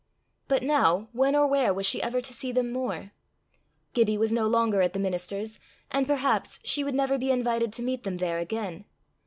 But now, when or where was she ever to see them more? Gibbie was no longer at the minister's, and perhaps she would never be invited to meet them there again.